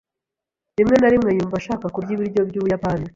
Rimwe na rimwe yumva ashaka kurya ibiryo byubuyapani.